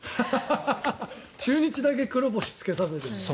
中日だけ黒星つけさせてるんだ。